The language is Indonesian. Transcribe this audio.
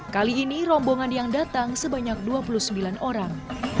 kali ini rombongan yang datang sebanyak dua puluh sembilan orang